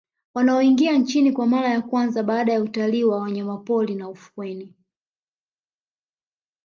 Wanaoingia nchini kwa mara ya kwanza baada ya utalii wa wanyamapori na ufukweni